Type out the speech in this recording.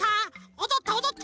おどったおどった！